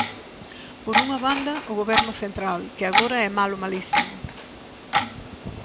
Por unha banda, o Goberno central, que agora é malo malísimo.